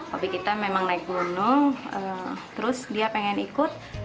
hobi kita memang naik gunung terus dia pengen ikut